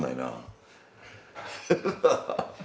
ハハハハッ。